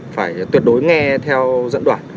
phải tuyệt đối nghe theo dẫn đoàn